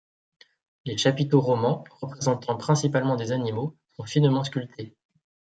Les chapiteaux romans, représentant principalement des animaux, sont finement sculptés.